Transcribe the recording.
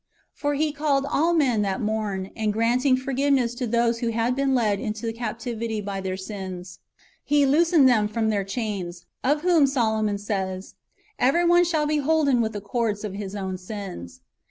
^ For He called all men that mourn ; and granting forgiveness to those who had been led into captivity by their sins. He loosed them from their chains, of whom Solomon says, " Every one shall be holden with the cords of his own sins."